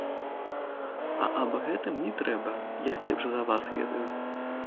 А аб гэтым не трэба, я лепш за вас ведаю.